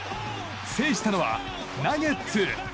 制したのは、ナゲッツ！